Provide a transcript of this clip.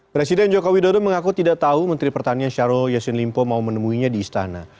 presiden jokowi dodo mengaku tidak tahu menteri pertanian syarul yassin limpo mau menemuinya di istana